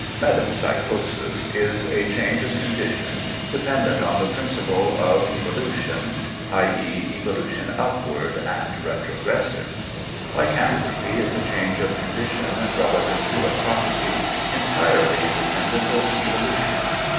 Metempsychosis is a change of condition dependent on the principle of evolution (i.e. evolution upward and retrogressive). Lycanthropy is a change of condition relative to a property, entirely independent of evolution.